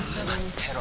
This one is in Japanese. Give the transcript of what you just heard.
てろ